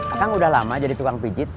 kang udah lama jadi tukang pijit